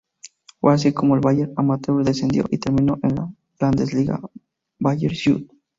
Fue así como el Bayern Amateur descendió, y terminó en la Landesliga Bayern-Süd.